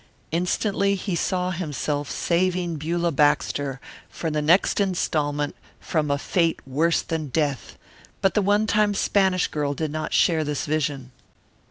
Instantly he saw himself saving Beulah Baxter, for the next installment, from a fate worse than death, but the one time Spanish girl did not share this vision.